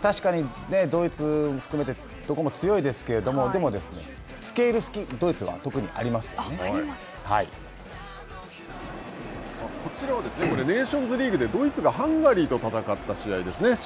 確かにドイツ含めて、どこも強いですけれども、でも、つけいるこちらはネーションズリーグでドイツがハンガリーと戦った試合ですね。